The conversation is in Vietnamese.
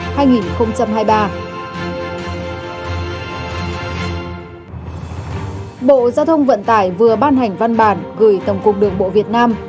bộ giao thông vận tải vừa ban hành văn bản gửi tổng cục đường bộ việt nam